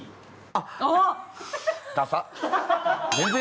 あっ！